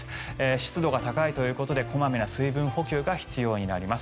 湿度が高いということで小まめな水分補給が必要になります。